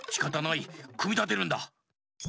くみたてるんだ。